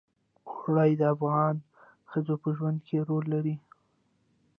اوړي د افغان ښځو په ژوند کې رول لري.